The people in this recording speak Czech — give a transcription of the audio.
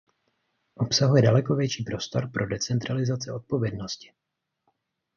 Obsahuje daleko větší prostor pro decentralizaci odpovědnosti.